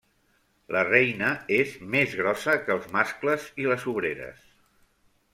La reina és més grossa que els mascles i les obreres.